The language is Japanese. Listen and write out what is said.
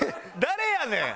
誰やねん！